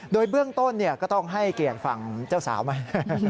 โดยเบื้องต้นก็ต้องให้เกียรติฝั่งเจ้าสาวไหม